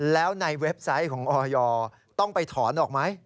แล้วในเว็บไซต์ของออยต้องไปถอนออกไหม